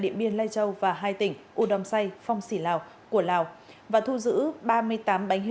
điện biên lai châu và hai tỉnh u đông xay phong sỉ lào của lào và thu giữ ba mươi tám bánh